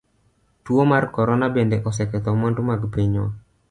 Tuo mar corona bende oseketho mwandu mag pinywa.